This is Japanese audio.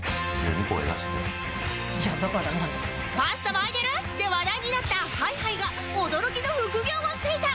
「パスタ巻いてる？」で話題になった Ｈｉ−Ｈｉ が驚きの副業をしていた！